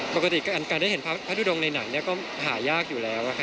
ปกติการได้เห็นพระทุดงในหนังก็หายากอยู่แล้ว